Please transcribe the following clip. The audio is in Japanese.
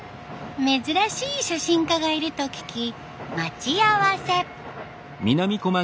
珍しい写真家がいると聞き待ち合わせ。